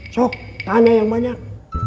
so tanya yang banyak